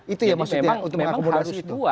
itu ya maksudnya untuk mengakomodasi itu